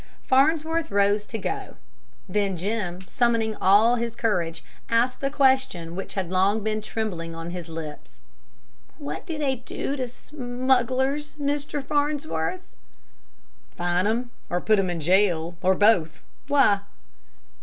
Farnsworth rose to go. Then Jim, summoning all his courage, asked a question which had long been trembling on his lips. "What do they do to smugglers, Mr. Farnsworth?" "Fine 'em, or put 'em in jail, or both. Why?"